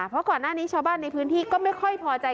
เพราะก่อนหน้านี้ชาวบ้านในพื้นที่ก็ไม่ค่อยพอใจ